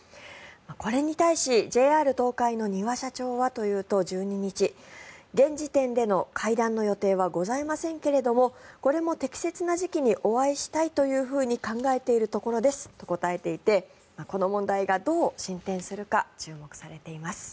これに対し、ＪＲ東海の丹羽社長はというと１２日現時点での会談の予定はございませんけれどもこれも適切な時期にお会いしたいというふうに考えているところですと答えていてこの問題がどう進展するか注目されています。